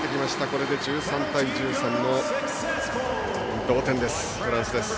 これで１３対１３の同点です。